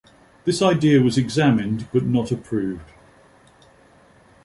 This idea was examined but not approved.